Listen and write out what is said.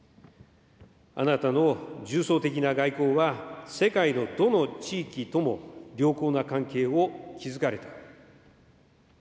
あなたの重層的な外交は、世界のどの地域とも良好な関係を築かれた。